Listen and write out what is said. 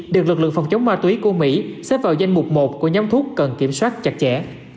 được lực lượng phòng chống ma túy của mỹ xếp vào danh mục một của nhóm thuốc cần kiểm soát chặt chẽ